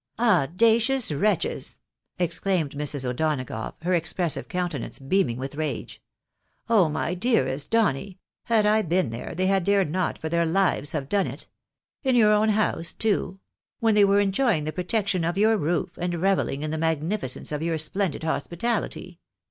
^''" Audacious wretches !" exclaimed Mrs. O'Donagough, her ex pressive countenance beaming with rage. " Oh, my dearest Donny! had I been there, they had dared not for their Hves have done it. In your own house too !— when they were enjoying the protection of your roof, and reveUing in the magnificence of yoiu* splendid hos pitahty